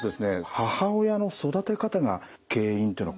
「母親の育て方が原因」っていうのは。